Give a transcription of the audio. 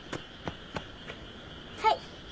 はい。